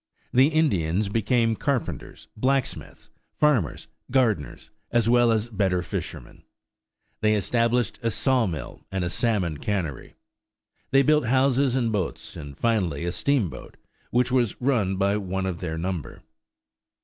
The Indians became carpenters, blacksmiths, farmers, gardeners, as well as better fishermen. They established a sawmill and a salmon cannery. They built houses and boats, and finally a steamboat, which was run by one of their number.